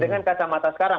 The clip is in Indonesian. dengan kacamata sekarang